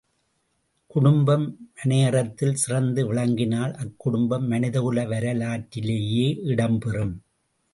குடும்பம் மனையறத்தில் சிறந்து விளங்கினால் அக்குடும்பம் மனிதகுல வரலாற்றிலேயே இடம்பெறும்.